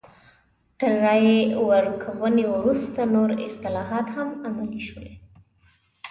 تر رایې ورکونې وروسته نور اصلاحات هم عملي شول.